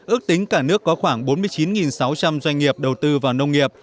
ước tính cả nước có khoảng bốn mươi chín sáu trăm linh doanh nghiệp đầu tư vào nông nghiệp